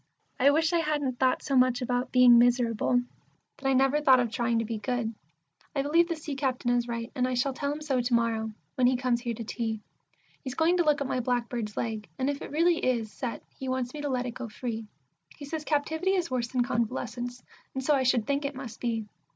I wish I hadn't thought so much about being miserable, that I never thought of trying to be good. I believe the Sea captain is right, and I shall tell him so to morrow, when he comes here to tea; He's going to look at my blackbird's leg, and if it is really set, he wants me to let it go free. He says captivity is worse than convalescence, and so I should think it must be.